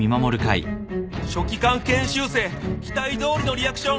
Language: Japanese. ・「書記官研修生期待どおりのリアクション」